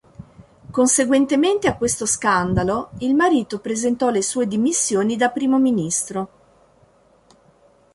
Conseguentemente a questo scandalo il marito presentò le sue dimissioni da primo ministro.